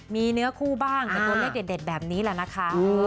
มีเนื้อคู่บ้างกับตัวเลขเด็ดแบบนี้แหละนะคะ